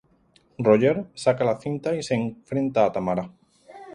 Roger saca la cinta y se enfrenta a Tamara.